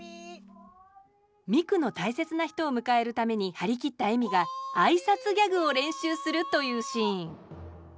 未来の大切な人を迎えるために張り切った恵美が挨拶ギャグを練習するというシーン。